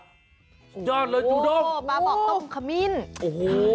ยอดเลยจูดกโอ้โฮมาบอกต้มขมิ้นโอ้โฮ